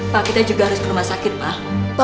pak kita juga harus ke rumah sakit pak